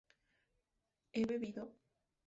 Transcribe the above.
¿he bebido?